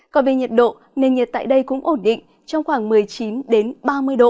còn về nhiệt độ nền nhiệt tại đây cũng ổn định trong khoảng một mươi chín ba mươi độ